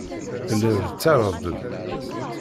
Telliḍ tettarraḍ-d.